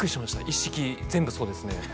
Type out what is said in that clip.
一式全部そうですね